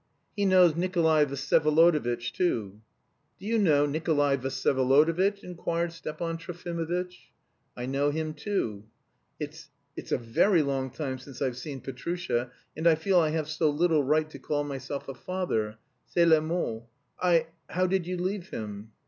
"He knows Nikolay Vsyevolodovitch too." "Do you know Nikolay Vsyevolodovitch?" inquired Stepan Trofimovitch. "I know him too." "It's... it's a very long time since I've seen Petrusha, and... I feel I have so little right to call myself a father... c'est le mot; I... how did you leave him?"